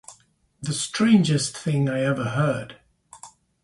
The strangest thing I ever heard!